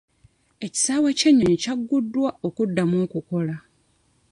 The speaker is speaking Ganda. Ekisaawe ky'ennyonyi kyagguddwa okuddamu okukola.